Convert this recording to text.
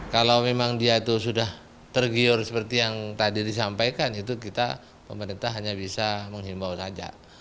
kalau memang dia itu sudah tergiur seperti yang tadi disampaikan itu kita pemerintah hanya bisa menghimbau saja